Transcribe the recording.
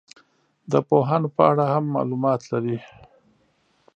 د پوهانو په اړه هم معلومات لري.